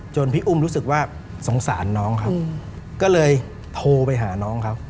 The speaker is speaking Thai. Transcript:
พี่อุ้มรู้สึกว่าสงสารน้องครับก็เลยโทรไปหาน้องเขา